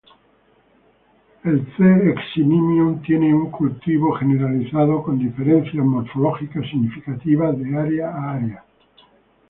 El C.eximinum tiene un cultivo generalizado, con diferencias morfológicas significativas de área a área.